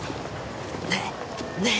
ねえねえ！